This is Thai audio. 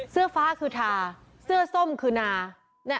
เสื้อฟ้าคือทาเสื้อส้มคือนา